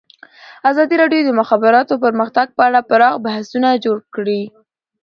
ازادي راډیو د د مخابراتو پرمختګ په اړه پراخ بحثونه جوړ کړي.